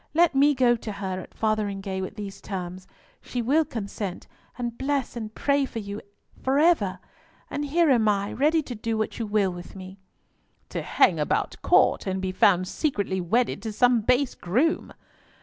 Let me go to her at Fotheringhay with these terms. She will consent and bless and pray for you for ever; and here am I, ready to do what you will with me!" "To hang about Court, and be found secretly wedded to some base groom!"